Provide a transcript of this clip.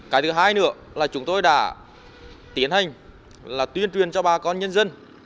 cái thứ hai nữa là chúng tôi đã tiến hành là tuyên truyền cho bà con nhân dân